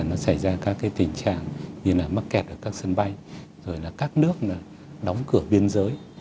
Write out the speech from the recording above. nó xảy ra các tình trạng như mắc kẹt ở các sân bay các nước đóng cửa biên giới